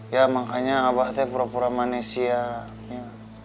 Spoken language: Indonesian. ya makanya abah tuh pura pura manis ya